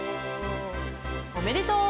おめでとう。